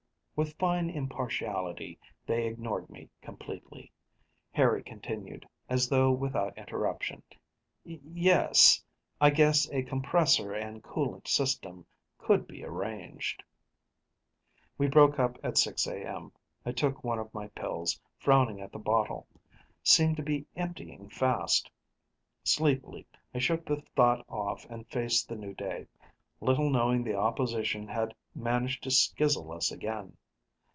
_" With fine impartiality, they ignored me completely. Harry continued, as though without interruption, "Ye es, I guess a compressor and coolant system could be arranged ..."We broke up at 6 A.M. I took one of my pills, frowning at the bottle. Seemed to be emptying fast. Sleepily, I shook the thought off and faced the new day little knowing the opposition had managed to skizzle us again.